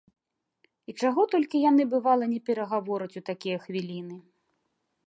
І чаго толькі яны, бывала, не перагавораць у такія хвіліны!